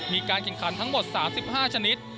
มีการกินคันทั้งหมด๓๕ชนิด